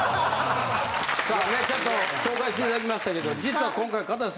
さあちょっと紹介していただきましたけど実は今回。